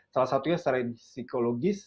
salah satunya secara psikologis